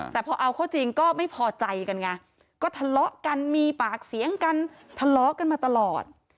แต่พอเอาเข้าจริงก็ไม่พอใจกันไงก็ทะเลาะกันมีปากเสียงกันทะเลาะกันมาตลอด